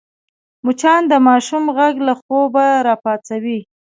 مچان د ماشوم غږ له خوبه راپاڅوي